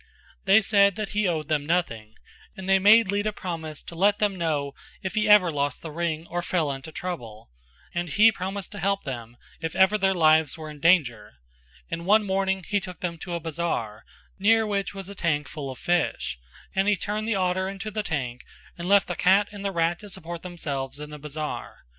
They said that he owed them nothing, and they made Lita promise to let them know if ever he lost the ring or fell into trouble, and he promised to help them if ever their lives were in danger, and one morning he took them to a bazar, near which was a tank full of fish, and he turned the otter into the tank and left the cat and the rat to support themselves in the bazar.